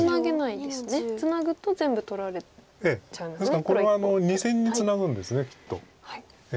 ですからこれは２線にツナぐんですきっと。